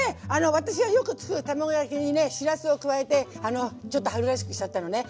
私がよくつくる卵焼きにねしらすを加えてちょっと春らしくしちゃったのね！